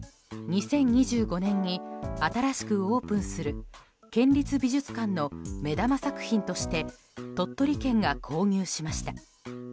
２０２５年に新しくオープンする県立美術館の目玉作品として鳥取県が購入しました。